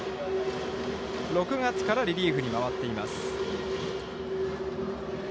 ６月からリリーフに回っています。